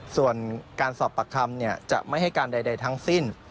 ส่วนการสอบปากคำจะไม่ให้การใดทั้งสิ้น